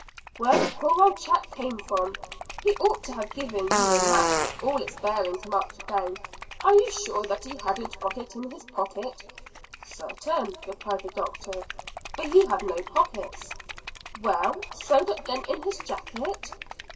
"Where the poor old chap came from. He ought to have given you the map with all its bearings marked down. Are you sure that he hadn't got it in his pocket?" "Certain," replied the doctor, "for he had no pockets." "Well, sewed up then in his jacket?"